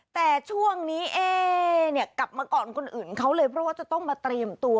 แต่ช่วงนี้เอ๊เนี่ยกลับมาก่อนคนอื่นเขาเลยเพราะว่าจะต้องมาเตรียมตัว